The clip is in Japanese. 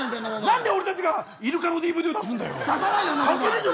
なんで俺たちがイルカのＤＶＤ出すんだよ。